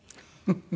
フフフ。